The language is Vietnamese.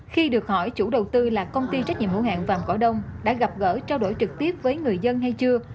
khi được hỏi chủ đầu tư là công ty trách nhiệm hữu hạng vàng cỏ đông đã gặp gỡ trao đổi trực tiếp với người dân hay chưa